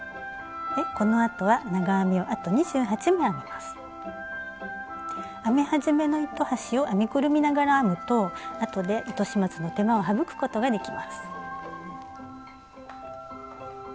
このあとは編み始めの糸端を編みくるみながら編むとあとで糸始末の手間を省くことができます。